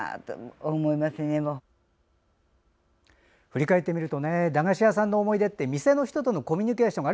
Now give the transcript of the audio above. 振り返ってみると駄菓子屋さんの思い出って店の人とのコミュニケーション